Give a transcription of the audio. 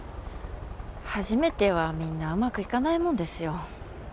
初めてはみんなうまくいかないもんですよ。